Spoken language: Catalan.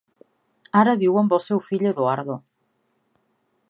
Ara viu amb el seu fill Edoardo.